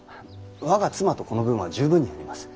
我が妻と子の分は十分にあります。